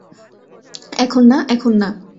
এখন না, এখন না।